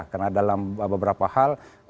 karena dalam beberapa hal